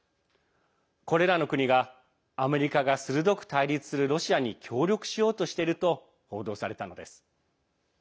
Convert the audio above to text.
これらの国がアメリカが鋭く対立するロシアに協力しようとしていると報道されたのです。